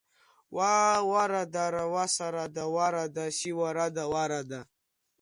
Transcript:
Уаа, уарадара, уасарада, уарада, сиуарада, уарада!